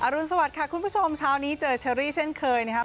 รุนสวัสดิค่ะคุณผู้ชมเช้านี้เจอเชอรี่เช่นเคยนะครับ